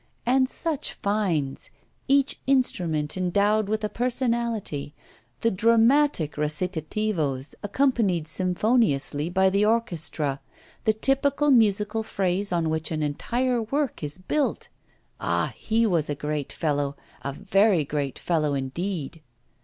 And such finds! each instrument endowed with a personality, the dramatic recitatives accompanied symphoniously by the orchestra the typical musical phrase on which an entire work is built! Ah! he was a great fellow a very great fellow indeed!